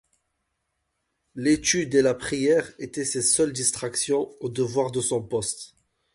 L’étude et la prière étaient ses seules distractions aux devoirs de son poste.